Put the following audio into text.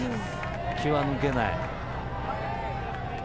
気はぬけない。